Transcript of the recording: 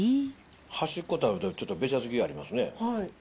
端っこ食べたら、ちょっとべちゃつきありますね。